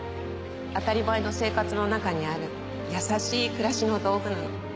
当たり前の生活のなかにある優しい暮らしの道具なの。